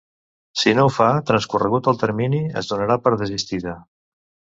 Si no ho fa, transcorregut el termini es donarà per desistida.